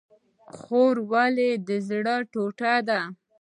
خور ولې د زړه ټوټه ده؟